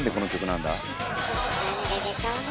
なんででしょうね。